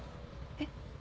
えっ？